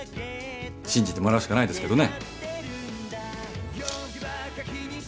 信じてもらうしかないですけどね。